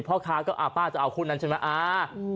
พ่อค้าก็อ่าป้าจะเอาคู่นั้นใช่ไหมอ่า